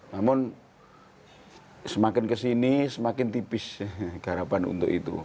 namun semakin ke sini semakin tipis garapan untuk itu